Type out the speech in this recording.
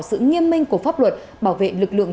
sự nghiêm minh của pháp luật bảo vệ lực lượng